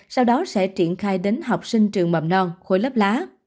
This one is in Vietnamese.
sau đó sẽ triển khai đến học sinh trường mầm non khối lớp lá